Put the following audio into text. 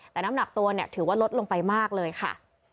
แต่น้ำหนักตัวเนี่ยถือว่าลดลงไปมากเลยค่ะ